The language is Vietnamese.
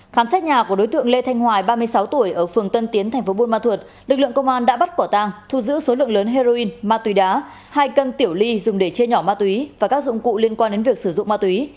khám xét nhà của đối tượng lê thanh hoài ba mươi sáu tuổi ở phường tân tiến tp buôn ma thuật lực lượng công an đã bắt quả tàng thu giữ số lượng lớn heroin ma túy đá hai cân tiểu ly dùng để chia nhỏ ma túy và các dụng cụ liên quan đến việc sử dụng ma túy